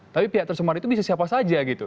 tapi pihak tersemar itu bisa siapa saja gitu